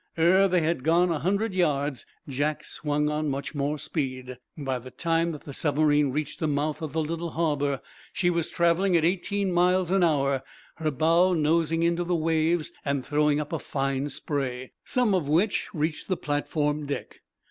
Ere they had gone a hundred yards Jack swung on much more speed. By the time that the submarine reached the mouth of the little harbor she was traveling at eighteen miles an hour, her bow nosing into the waves and throwing up a fine spray, some of which reached the platform, deck.